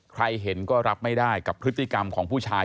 ใครเห็นก็รับไม่ได้กับพฤติกรรมของผู้ชาย